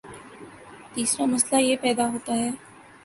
تیسرامسئلہ یہ پیدا ہوتا ہے